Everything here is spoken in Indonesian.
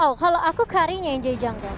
oh kalau aku kari nya yang jadi jungler